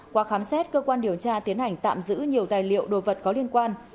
qua khám xét cơ quan điều tra tiến hành tạm giữ nhiều tài liệu đồ vật có liên quan